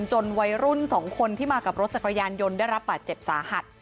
วัยรุ่น๒คนที่มากับรถจักรยานยนต์ได้รับบาดเจ็บสาหัส